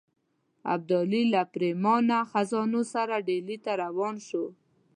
ابدالي له پرېمانه خزانو سره ډهلي ته روان شو.